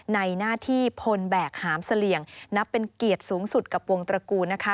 หน้าที่พลแบกหามเสลี่ยงนับเป็นเกียรติสูงสุดกับวงตระกูลนะคะ